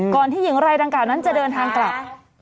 ที่หญิงรายดังกล่าวนั้นจะเดินทางกลับ